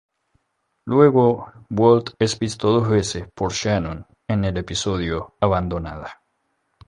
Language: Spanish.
Luego, Walt es visto dos veces por Shannon en el episodio "Abandonada".